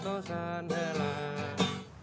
kan yang kerja akang